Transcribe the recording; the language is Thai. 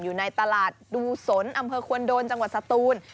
อยู่ในตลาดดูสนอำเภอควนโดนจังหวัดสตูน